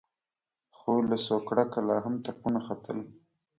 خو له سوکړکه لا هم تپونه ختل.